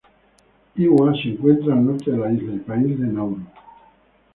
Ewa se encuentra al norte de la isla y país de Nauru.